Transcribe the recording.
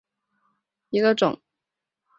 日本寄居蟹为寄居蟹科寄居蟹属下的一个种。